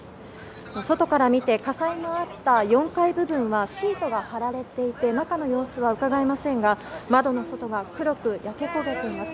外から見て火災のあった４階部分はシートが張られていて中の様子はうかがえませんが、窓の外が黒く焼け焦げています。